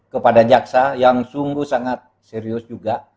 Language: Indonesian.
kepada jaksa yang sungguh sangat serius juga